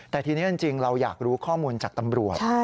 แต่ทีนี้จริงเราอยากรู้ข้อมูลจากตำรวจ